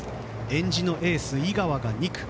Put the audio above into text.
えんじのエース、井川が２区。